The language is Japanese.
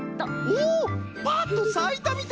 おおパッとさいたみたいじゃ！